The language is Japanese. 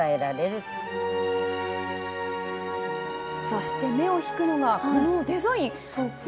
そして目を引くのが、このデザイン。